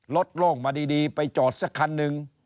โล่งมาดีไปจอดสักคันหนึ่ง